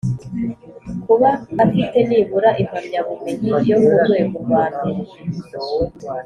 kuba afite nibura impamyabumenyi yo mu rwego rwambere